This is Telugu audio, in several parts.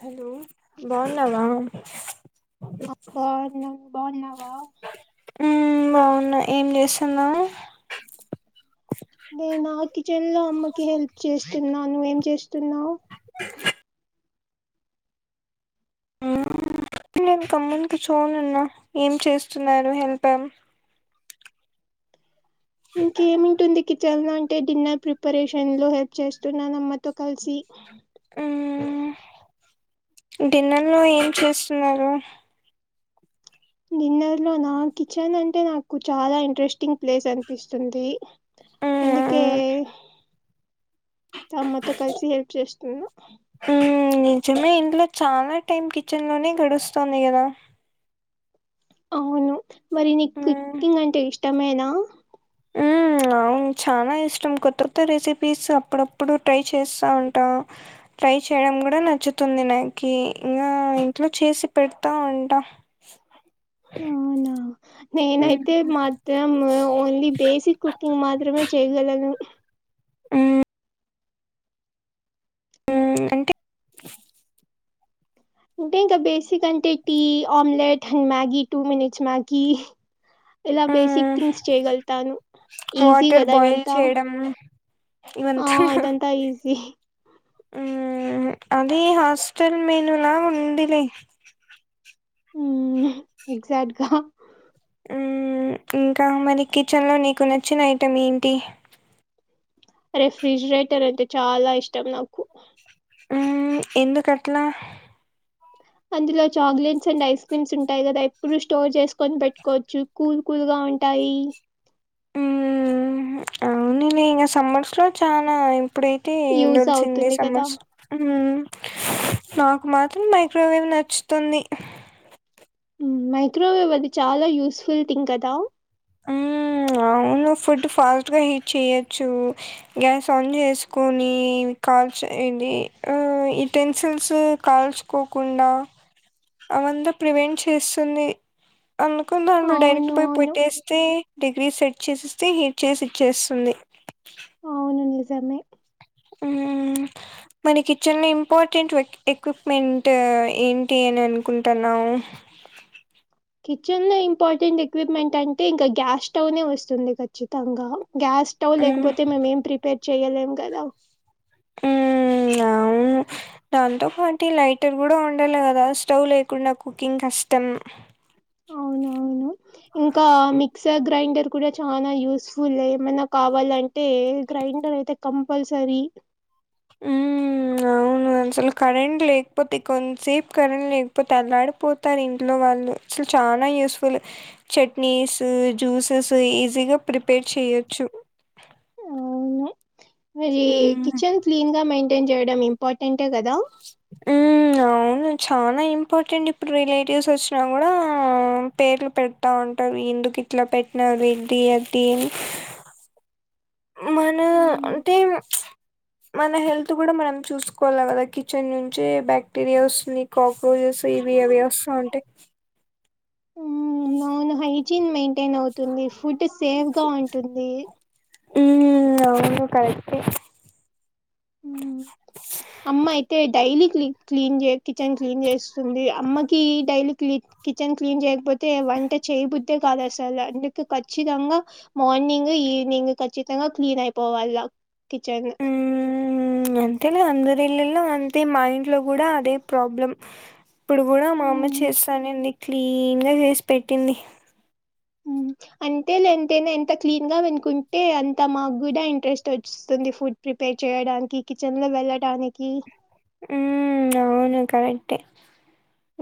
హలో బావున్నావా బాగున్నాను బాగున్నావా ఉమ్ బావున్నా ఏం జేస్తున్నావు. నేనా కిచెన్ లో అమ్మకి హెల్ప్ చేస్తున్నా, నువు ఏం చేస్తున్నావ్. నేను గమ్మున్న కూచోనున్న, ఏం చేస్తున్నారు హెల్ప్ ఏం ఇంకేమింటుంది కి [unintelligible] అంటే డిన్నర్ ప్రిపరేషన్ లో హెల్ప్ చేస్తున్నాను అమ్మతో కలిసి. ఉమ్మ్ డిన్నర్ లో ఏం చేస్తున్నారు. డిన్నర్ లోనా, కిచెన్ అంటే నాకు చాలా ఇంట్రెస్టింగ్ ప్లేస్ అనిపిస్తుంది. అందుకే, ఉమ్ అమ్మతో కలిసి హల్ప్ చేస్తున్నా. ఉమ్మ్, నిజమే ఇంట్లో చాలా టైం కిచెన్ లోనే గడుస్తుంది గదా. అవును మరి నీకు ఉమ్ కిక్కింగ్ అంటే ఇష్టమేనా ఉం అవును చానా ఇష్టం కొత్త కొత్త రెసిపీస్ అప్పుడప్పుడు ట్రై చేస్తా ఉంటా ట్రై చేయడం కూడా నచ్చుతుంది నాకీ ఇంగా ఇంట్లో చేసి పెడ్తా ఉంటా అవునా ఉమ్ నేనైతే మా త్రం ఓన్లీ బేసిక్ కుక్కింగ్ మాత్రమే చేయగలను ఉమ్ అంటే అంటే ఇంకా బేసిక్ అంటే tea, omelette, Maggi two minutes Maggi ఇలా బేసిక్ మ్మ్ థింగ్స్ చేయగల్తాను ఈజీ వాటర్ గదా బాయిల్ ఇవంతా చేయడం ఆ ఇవంతా ఇదంతా ఈజీ ఉం అది హాస్టల్ మెనులా ఉందిలే ఉం ఎగ్జాక్ట్ గా ఉం ఇంకా మరి కిచెన్లో నీకు నచ్చిన ఐటెమ్ ఏంటి రెఫ్రిజిరేటర్ అంటే చాలా ఇష్టం నాకు ఉం ఎందుకట్లా అందులో చాక్లెట్స్ అండ్ ఐస్ క్రీమ్స్ ఉంటాయి కదా ఎప్పుడు స్టోర్ చేసుకొని పెట్కోవచ్చు కూల్ కూల్గా ఉంటాయి ఉం అవ్నులే ఇంగ సమ్మర్స్ లో చాలా ఇప్పుడేం టి యూజ్ ఎండొచ్చింది అవుతుంది కదా! సమ్మర్స్ ఉం నాకు మాత్రం మైక్రోవేవ్ నచ్తుంది మైక్రోవేవ్ అది చాలా యూస్ఫుల్ థింగ్ కదా ఉం అవును ఫుడ్ ఫాస్ట్గా హీట్ చేయొచ్చు గ్యాస్ ఆన్ చేస్కోని కాల్చ ఏంది ఆ ఉటెన్సిల్సు కాల్చు కోకుండా అవంత ప్రివెంట్ చేస్తుంది అందుకుని దాంట్లో డైరెక్ట్ అవును. పోయి అవును. పెట్టేస్తే డిగ్రీ సెట్ చేసేస్తే హీట్ చేసి ఇచ్చేస్తుంది ఆ నిజమే ఉం మన కిచెన్ ఇంపార్టెంట్ ఎక్విప్మెంట్ ఏంటి అని అనుకుంటానావ్ కిచెన్ లో ఇంపార్టెంట్ ఎక్విప్మెంట్ అంటే ఇంక గ్యాస్ స్టవ్ నే వస్తుంది ఖచ్చితంగా గ్యాస్ స్టవ్ హ్మ్. లేకపోతే మేమేం ప్రిపేర్ చెయలేం కదా ఉం అవును దాంతో పాటీ లైటర్ కూడ ఉండాలె కదా స్టవ్ లేకుండా కుకింగ్ కష్టం అవునవును. ఇంకా మిక్సర్ గ్రైండర్ కూడ చానా యూస్ఫుల్ ఏ ఏమన్న కావాలంటే ఏ గ్రైండర్ అయితే కంపల్సరీ ఉం అవును అసలు కరెంట్ లేకపోతే కొంతసేప్ కరెంట్ లేకపోతే అల్లాడిపోతారింట్లో వాళ్ళు అసల్ చానా యూస్ఫులు చట్నీస్ జ్యూసెస్ ఈజీగా ప్రిపేర్ చెయొచ్చు మరీ హ్మ్. కిచెన్ క్లీన్గా మెయింటెన్ చేయడం ఇంపార్టెంటే కదా ఉం అవును చానా ఇంపార్టెంట్ ఇప్పుడ్ రిలేటివ్స్ వచ్చినా కూడా పేర్లు పె పెడ్తా ఉంటరు ఎందుకిట్ల పెట్నావేంటి అది మనా హ్మ్. అంటే మన హెల్త్ కూడ మనం చూస్కోవలె కదా కిచెన్ నుంచి బ్యాక్టీరియాస్ కాక్రోజెస్ ఇవి అవి వస్తా ఉంటయి హ్మ్ అవును హైజీన్ మెయింటైన్ అవుతుంది ఫుడ్ సేఫ్ గా ఉంటుంది హ్మ్ అవును కరెక్టే హ్మ్ అమ్మ అయితే డైలీ క్లీ క్లీన్ చే కిచెన్ క్లీన్ చేస్తుంది అమ్మ కి డైలీ క్లీన్ కిచెన్ క్లీన్ చేయకపోతే వంట చేయబుద్ అంతే కదు అసలు అందుక ఖచ్చితంగా మార్నింగ్ ఈవనింగ్ ఖచ్చితంగా క్లీన్ అయిపోవాల కిచెన్ అంతేనా అందరి ఇళ్లలో అంతే మా ఇంట్లో కూడా అదే ప్రాబ్లం ఇప్పుడు కూడా మామ్మ చేస్తానేంది క్లీన్ గా చేసి పెట్టింది అంతే లే ఎంతైనా ఎంత క్లీన్ గా వినుకుంటే అంత మాకు కూడా ఇంట్రెస్ట్ వచ్చేస్తుంది ఫుడ్ ప్రిపేర్ చేయడానికి కిచెన్లో వెళ్ళడానికి హ్మ్ అవును కరెక్టే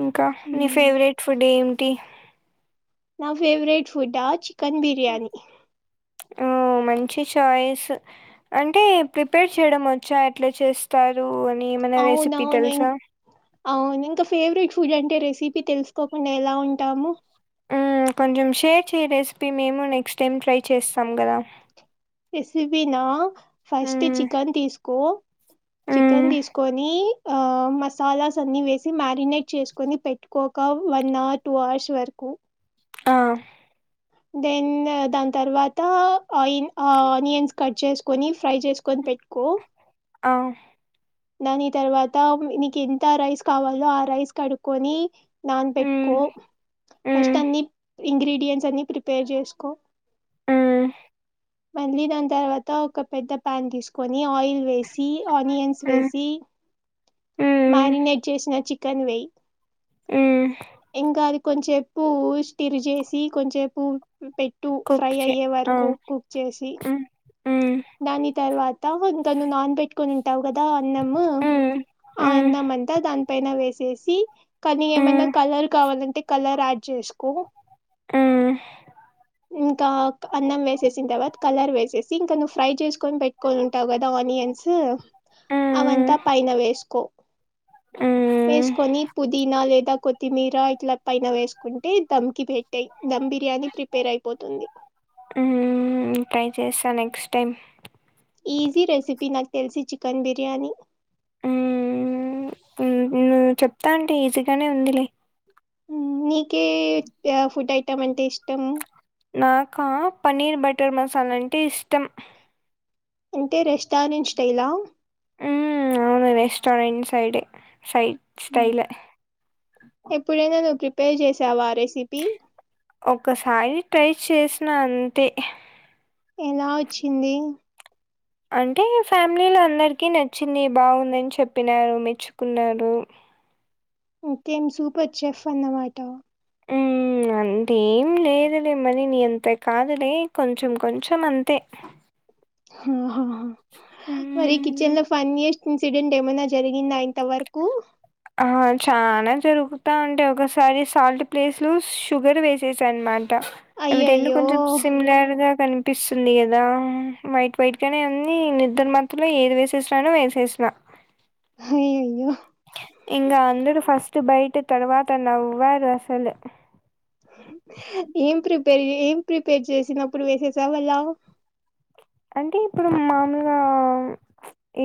ఇంకా నీ ఉమ్, ఫేవరెట్ ఫుడ్ ఏమిటి నా ఫేవరెట్ ఫుడా చికెన్ బిర్యానీ ఆ మంచి చాయిస్ అంటే ప్రిపేర్ చేయడం వచ్చా ఎట్లా చేస్తారు అని ఏమైనా రెసిపీ అవునవును తెలుసా ఇం- అవును ఇంకా ఫేవరెట్ ఫుడ్ అంటే రెసిపీ తెలుసుకోకుండా ఎలా ఉంటాము కొంచెం షేర్ చేయ్యే రెసిపీ మేము నెక్స్ట్ టైం ట్రై చేస్తాం కదా రెసిపీ నా ఫస్ట్ మ్మ్ చికెన్ తీసుకో చికెన్ మ్మ్ తీసుకొని ఆ మసాలాస్ అన్ని వేసి మ్యారినేట్ చేసుకొని పెట్టుకోక వన్ అవర్ టూ అర్స్ వరకు ఆ దెన్ దాని తర్వాత ఆ ఆనియన్స్ కట్ చేసు కొని ఫ్రై చేసుకొని పెట్టుకో అవు దాని తర్వాత నీకు ఎంత రైస్ కావాలో ఆ రైస్ కడుకొని నాన్ మ్మ్ పెెట్టుకో మ్మ్ ఫస్ట్ అన్నీ ఇంగ్రీడియంయంట్స్ అన్నిీ ప్రిపేర్ చేసుకో ఉమ్ మళ్ళీ దాని తర్వాత ఒక పెద్ద పన్ తీసుకొని ఆయిల్ వేసి ఆనియన్స్ వేసి మ్మ్ మ్మ్ మ్యారినేట్ చేసిన చికెన్ వె్యి హ్మ్ ఇంకాది కొంచెం పువ్ స్టిరి చేసి కొంచెం పూ పెట్టు కుక్ ఫ్రై చే అయ్యే ఆ వరకు కుక్ చేసి హ్మ్ హ్మ్ దాని తర్వాత తను నాన్ పెట్ కని ఉంటావు కదా అన్నం హ్మ్ ఆ హ్మ్ అన్నం అంతా దాని పైన వేసేసి కానీ ఏమైన్నా హ్మ్ కలర్ కావాలంటే కలర్ యాడ్ చేసుకో హ్మ్ ఇంకా అన్నం వేసేసిన తర్వాత కలర్ వేసేసి ఇంకా నువ్వు ఫ్రై చేసుకొని పెట్టుకొని ఉంటావు కదా ఆనియన్స్ హ్మ్ అవంతా పైన వేసుకో హ్మ్ వేసుకొని పుదీనా లేదా కొత్తిమీర ఇట్ల పైన వేస్ కుంటే దమ్ కి పెట్టేయ్ దమ్ బిర్యానీ ప్రిపేర్ అయిపోతుంది హ్మ్ ట్రై చేస్తా నెక్స్ట్ టైం ఈజీ రెసిపీ నాకు తెలిసి చికెన్ బిర్యానీ హ్మ్ హ్మ్ నువ్వు చెప్తా అంటే ఈజీగానే ఉందిలే నీకే ఆ ఫుడ్ ఐటమ్ అంటే ఇష్టం నాకా పన్నీర్ బటర్ మసాలా అంటే ఇష్టం అంటే రెస్టారెంట్ స్టైలా రెస్టోరెంట్ సైడ్ సైట్ స్టైల్ ఏ ఎప్పుడైనా నువ్వు ప్రిపేర్ చేసావా ఆ రెసిపీ ఒకసారి ట్రై చేసిన అంతే ఎలా వచ్చింది అంటే ఫ్యామిలీలో అందరికి నచ్చింది బాగుందని చెప్పినారు మెచ్చుకున్నారు ఇంకేం సూపర్ చఫ్ అన్నమాట ఊ అంతేం లేదులే మనీ నీ అంత కాదులే కొంచం కొంచం అంతే మరి హ్మ్. కిచెన్లో ఫనియస్ట్ ఇన్సిడెంట్ ఏమైనా జరిగిందా అ ఇంత వరకు ఆ చనా జరుకుతా ఉంటయ్ ఒకసారి సాల్ట్ ప్లేస్లు షుగర్ వేసేసా అనమాట అవి రెండు అయ్యయ్యో కొంచెం సిమిలర్గా కనిపి అపిస్తుంది కదా వైట్ వైట్గానే అన్నీ నిద్ద్ర మత్రలో ఏది వేసేసిననో వేసేసిన అయయ్యో ఇంగ అందరు ఫస్ట్ బయట తర్వాత నవ్వారు అసలు ఏం ప్రిపేర్ ఏం ప్రిపేర్ చేసినప్పుడు వేసే సావళ అంటే ఇప్పుడు మామూలుగా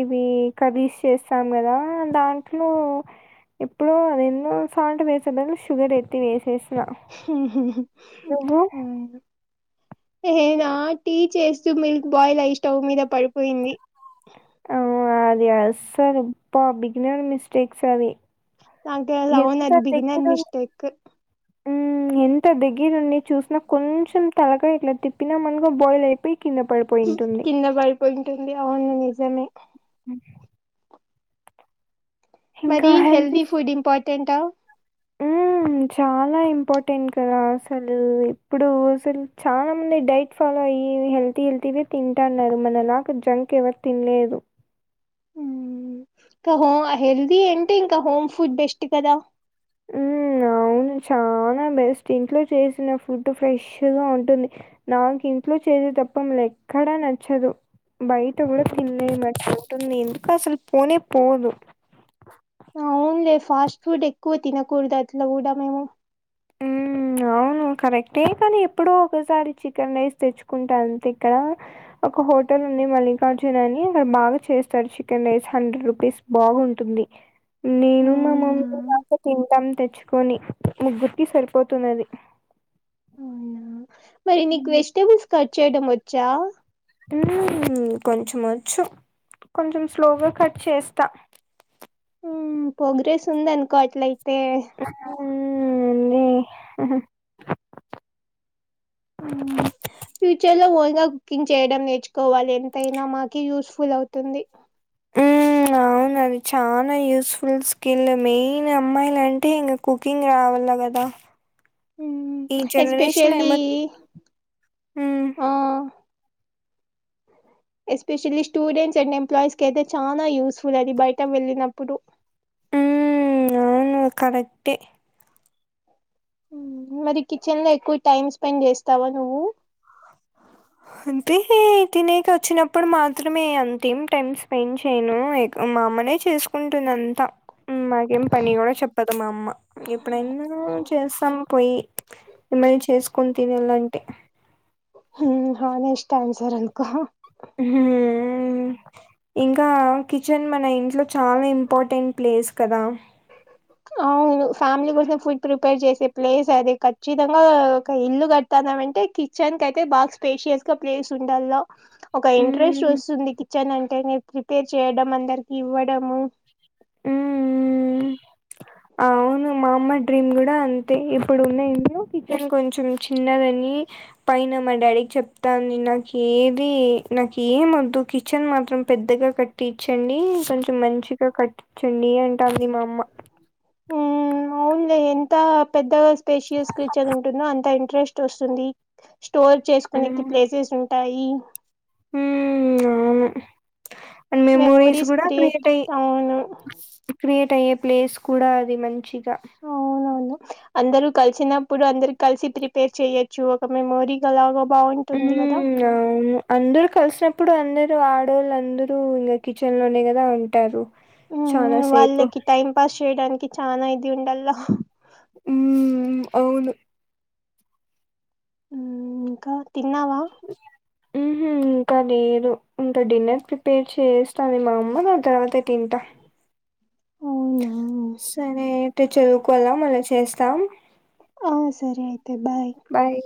ఇవి ఖరీస్ చేస్తాం కదా దాంట్లో ఇప్పుడో అది ఎన్నో సాల్ట్ వేసే బదులు షుగర్ ఎత్తి వేసేసిన నువ్వు ఆ ఏ రా టీ చేస్తూ మిల్క్ బాయిల్ అయి స్టవ్ మీద పడిపోయింది అవ్ అది అది అసర్ అబ బిగినర్ మిస్టేక్స్ అది నాకది అవును అది బగినర్ మిస్టేక్ ఉ ఊ ఎంత దగ్గిరుండి చూసినా కొంచెం తలగా ఇట్లా తిప్పినా మనగా బాయిల్ అయిపోయి కింద పడి కింద పడిపోంటుంది అవును నిజమే ఉ ఇంకా మరి హెల్దీ ఫుడ్ ఇంపార్టెంటా ఊ ఉ చాలా ఇంపార్టెంట్ కదా అసలు ఇప్పుడు అసలు చాలా మంది డైట్ ఫాలో అయ్యి హెల్తీ హెల్తీ వి తింటా అన్నారు మన లాగా జంక్ ఎవరు తినలేదు ఇంకా హో హెల్దీ అంటే ఇంకా హోమ్ ఫుడ్ బెస్ట్ కదా ఉ అవును చాలా బెస్ట్ ఇంట్లో చేసిన ఫుడ్ ఫ్రెష్ గా ఉంటుంది నాకు ఇంట్లో చేసే తప్ప మళ్ళ ఎక్కడా నచ్చదు బయట కూడా తిన్లే మాకు చోటు ఉంది ఎందుకు అసలు పోనే పోదు అవును లే ఫాస్ట్ ఫుడ్ ఎక్కువ తినకూడదు అట్ల కూడా మేము ఊ ఆ అవును కరెక్టే కానీ ఎప్పుడో ఒకసారి చికెన్ రైస్ తెచ్చుకుంటా అంతే ఇక్కడ ఒక హోటల్ ఉంది మల్లికార్జున్ అని అక్కడ బాగా చేస్తారు చికెన్ రైస్ హండ్రెడ్ రూపీస్ బాగుంటుంది నేను మా మమ్మీ అవునా కాక తింటాం తెచ్చుకొని ముగ్గురు కి సరిపోతున్నది అవునా మరి నీకు వెజిటబుల్స్ కట్ చేయడం వచ్చా ఊ కొంచం వచ్చు కొంచెం స్లోగా కట్ చేస్తా ప్రోగ్రెస్ ఉంది అనుకో అట్లయితే ఉమ్ నీ హ మ్ ఫ్యూచర్ లో వై కింగ్ చేయడం నేర్చుకోవాలి ఎంతైనా మాకి యూస్ఫుల్ అవుతుంది మ్ అవ్ అవునది చాలా యూస్ఫుల్ స్కిల్ మెయిన్ అమ్మాయిల అంటే ఇంగా కుకింగ్ రావాల గదా మ్మ్ ఈ జనరేషన్ ఎస్పెషల్లీ ఎమత్ మ్ ఆ ఎస్పెషల్లీ స్టూడెంట్స్ అండ్ ఎంప్లాయీస్ కి అయితే చాలా యూస్ఫుల్ అది బయట వెళ్ళినప్పుడు ఉమ్ అవును కరెక్టే మరి కిచెన్ లో ఎక్కువ టైమ్ స్పెండ్ చేస్తావా నువ్వు [inaudible] అంతే తినక వచ్చినప్పుడు మాత్రమే అంతేమ్ టైమ్ స్పెండ్ చేయ్యను మా అమ్మనే చేసుకుంటుంది అంతా మాకేం పని గూడా చెప్పదు మా అమ్మ ఎప్పుడైనా చేస్తాం పోయి ఎమ్మన్న చేసుకుని తినుఎలా అంటే హ హా చాలా ఇష్టమ్ సార్ అనుకో హు మ్ ఇంకా కిచెన్ మన ఇంట్లో చాలా ఇంపార్టెంట్ ప్లేస్ కదా అవును ఫ్యామిలీ కోసం ఫుడ్ ప్రిపేర్ చేసే ప్లేస్ అది ఖచ్చితంగా ఒక ఇల్లు కట్ తనం అంటే కిచెన్ కయితే బాగా స్పేషియస్ గా ప్లేస్ ఉండాలా ఒక ఇంట్రెస్ట్ హ్మ్. వస్తుంది కిచెన్ అంటే ప్రిపేర్ చేయడం అందరికి ఇవ్వడము హ్మ్. అవును మా అమ్మ డ్రీమ్ గూడా అంతే ఇప్పుడు ఉన్న ఇంట్లో కిచెన్ కొంచెం చిన్నదని పైన మా డాడీకి చెప్తాంది నాకు ఏది నాకు ఏం వద్దు కిచెన్ మాత్రం పెద్దగా కట్టించండి కొంచెం మంచిగా కట్టించండి అంటుంది మా అమ్మ ఉ అవులే ఎంత పెద్దగా స్పేషయస్ క్రీచ్న్ ఉంటుందో అంత ఇంట్రెస్ట్ ట్రస్ట్ వస్తుంది స్టోర్ చేసుకునే హ్మ్. ప్లేసెస్ ఉంటాయి హ్మ్. అవును. అండ్ మెమోరీస్ గూడా క్రియేట్ అయి క్రియేట్ అయ్యే ప్లేస్ కూడా అది మంచిగా అందరు కలిసినప్పుడు అందరు కలిసి ప్రిపేర్ చెయొచ్చు ఒక మెమోరీ ఎలాగో బాగుంటుంది హ్మ్. గదా అవును అందరు కలిసినప్పుడు అందరు ఆడోళ్ళు అందరు ఇంగా కిచెన్ లోనే గదా ఉంటారు ఉ చాలా సేపు. వాళ్ళకి టైం పాస్ చేయడానికి చానా ఇది ఉండలా ఉమ్ అవును మ్ ఇంకా తిన్నావా చేయ్యాలి ఉహు ఇంకా నేను ఇగా డిన్నర్ ప్రిపేర్ చేస్తాది మా అమ్మ దాని తర్వాత తింటా అవునా సరే అయితే చదువుకోల మళ్ళా చేస్తాం అ సరే అయితే బాయ్ బాయ్